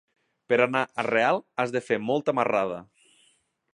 Per anar a Real has de fer molta marrada.